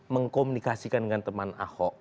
mengkomunikasikan dengan teman ahok